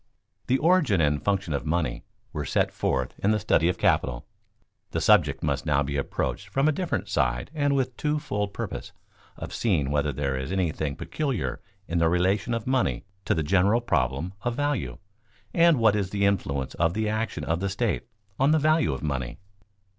_ The origin and function of money were set forth in the study of capital. The subject must now be approached from a different side and with the two fold purpose of seeing whether there is anything peculiar in the relation of money to the general problem of value, and what is the influence of the action of the state on the value of money.